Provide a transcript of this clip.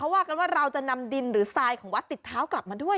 ว่ากันว่าเราจะนำดินหรือทรายของวัดติดเท้ากลับมาด้วย